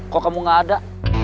kok kamu nggak ada